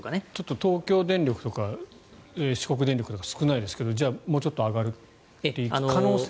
東京電力とか四国電力とか少ないですけどじゃあ、もうちょっと上がっていく可能性が。